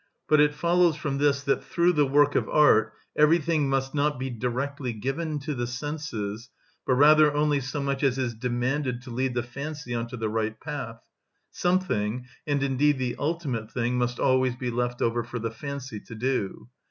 But it follows from this that, through the work of art, everything must not be directly given to the senses, but rather only so much as is demanded to lead the fancy on to the right path; something, and indeed the ultimate thing, must always be left over for the fancy to do.